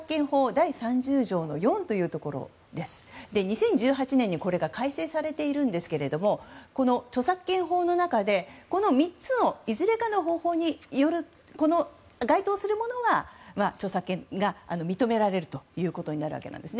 第３０条の４ですが２０１８年にこれが改正されているんですが著作権法の中で、この３つのいずれかの方法に該当するものは著作権が認められるということになります。